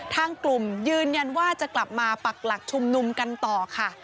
ทางกลุ่มยืนยันว่าจะกลับมาปักหลักชุมนุมกันต่อค่ะ